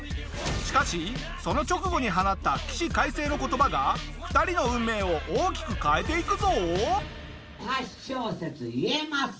しかしその直後に放った起死回生の言葉が２人の運命を大きく変えていくぞ！